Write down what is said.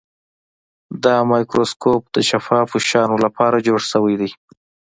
دا مایکروسکوپ د شفافو شیانو لپاره جوړ شوی دی.